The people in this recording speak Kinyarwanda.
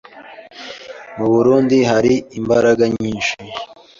Mu Burunndi hari imbaraga nyinshi